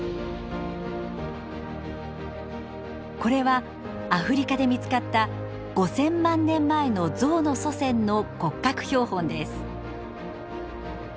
これはアフリカで見つかった５，０００万年前のゾウの祖先の骨格標本です。